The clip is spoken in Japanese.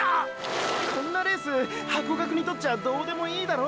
こんなレースハコガクにとっちゃどうでもいいだろ？